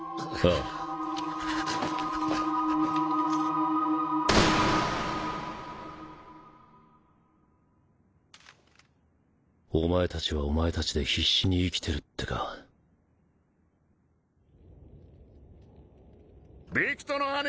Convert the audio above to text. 銃声お前たちはお前たちで必死に生きて淵謄張法